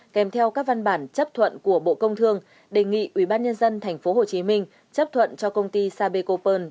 kèm theo các văn bản chấp thuận của bộ công thương đề nghị ubnd tp hcm chấp thuận cho công ty sapecopearl